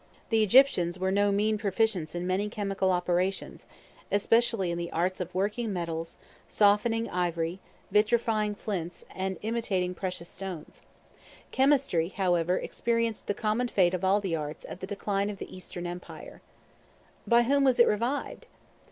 The Egyptians were no mean proficients in many chemical operations, especially in the arts of working metals, softening ivory, vitrifying flints, and imitating precious stones. Chemistry, however, experienced the common fate of all the arts, at the decline of the Eastern empire. Proficients, those who have made great progress in any art or science. By whom was it revived?